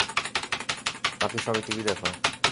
বাকি সবাই টিভি দেখো।